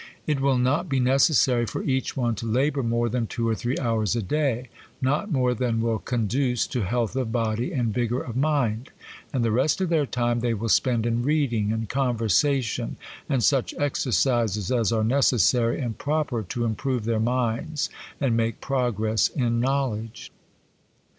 It will not be necessary for each one to labour more than two or three hours a day,—not more than will conduce to health of body and vigour of mind; and the rest of their time they will spend in reading and conversation, and such exercises as are necessary and proper to improve their minds and make progress in knowledge.